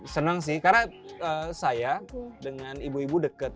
senang sih karena saya dengan ibu ibu deket